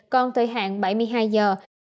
còn thời hạn bảy mươi hai giờ